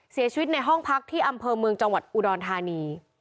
เสียชีวิตในห้องพักที่อำเภอเมืองจังหวัดอุดรธานี